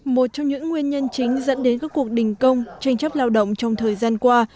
một trong những nguyên nhân chính dẫn đến các cuộc đình công tranh chấp lao động trong thời gian qua